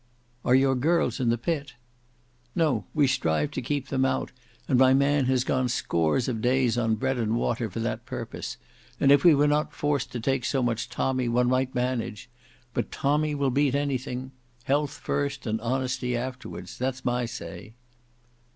"Are your girls in the pit?" "No; we strive to keep them out, and my man has gone scores of days on bread and water for that purpose; and if we were not forced to take so much tommy, one might manage—but tommy will beat anything; Health first, and honesty afterwards, that's my say."